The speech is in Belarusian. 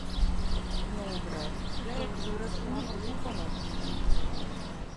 Ну, брат, я, як вырасту, не буду ў паноў служыць.